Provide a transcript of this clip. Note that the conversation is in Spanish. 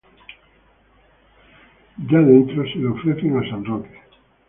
Ya dentro, se lo ofrecen a San Roque.